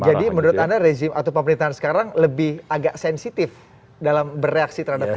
jadi menurut anda rezim atau pemerintahan sekarang lebih agak sensitif dalam bereaksi terhadap kritik